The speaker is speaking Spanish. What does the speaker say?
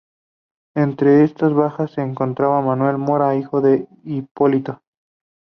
Entre estas bajas se encontraba Manuel Mora, hijo de Hipólito.